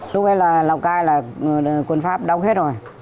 lúc đấy là lào cát là quân pháp đóng hết rồi